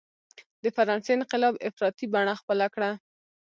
د فرانسې انقلاب افراطي بڼه خپله کړه.